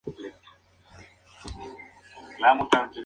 Su música es vocal y sacra, con sólo un par de excepciones.